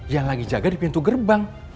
yang lagi jaga di pintu gerbang